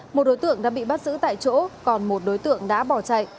một đối tượng đã bị bắt giữ tại chỗ còn một đối tượng đã bỏ chạy